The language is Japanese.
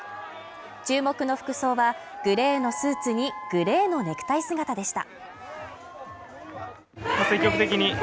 注目の服装はグレーのスーツにグレーのネクタイ姿でした。